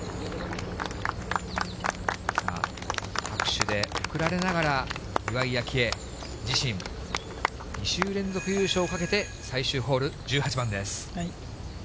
さあ、拍手で送られながら、岩井明愛、自身２週連続優勝をかけて、最終ホール１８番です。